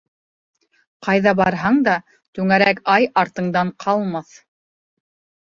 Ҡайҙа барһаң да түңәрәк ай артыңдан ҡалмаҫ.